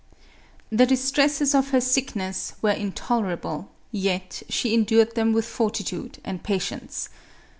The distresses of her sickness were intolerable, yet she endured them with fortitude and patience.